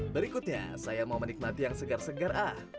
berikutnya saya mau menikmati yang segar segar ah